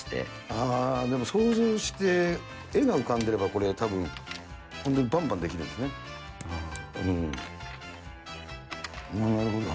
ああ、でも想像して絵が浮かんでれば、これ、たぶん、本当にばんばんできるんですね。なるほど。